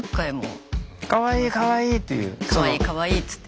「かわいいかわいい」っつって。